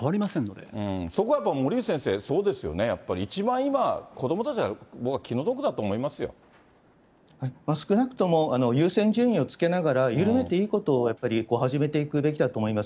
そこはやっぱり森内先生、そうですよね、やっぱり一番今、子どもたちが僕は気の毒だと思いま少なくとも優先順位をつけながら、緩めていいことをやっぱり始めていくべきだと思います。